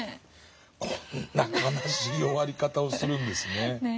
こんな悲しい終わり方をするんですね。